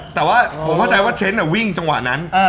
แต่ว่าผมเข้าใจว่าเทรนด์วิ่งจังหวะนั้น